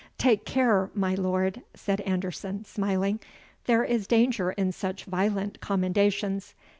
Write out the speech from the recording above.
"Take care, my lord," said Anderson, smiling; "there is danger in such violent commendations.